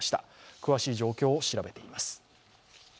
詳しい状況を調べています。